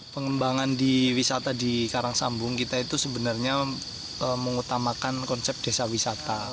pengembangan di wisata di karang sambung kita itu sebenarnya mengutamakan konsep desa wisata